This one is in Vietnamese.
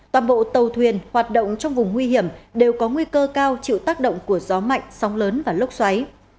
toàn bộ tàu thuyền hoạt động trong vùng nguy hiểm đều có nguy cơ cao chịu tác động của gió mạnh sóng lớn và lốc xoáy